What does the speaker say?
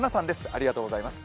ありがとうございます。